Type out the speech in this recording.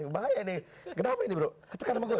bahaya nih kenapa ini bro ketekan sama gue